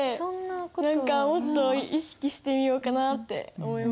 何かもっと意識してみようかなって思いました。